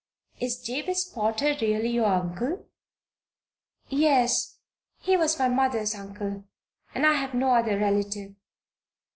Is Jabez Potter really your uncle?" "Yes. He was my mother's uncle. And I have no other relative."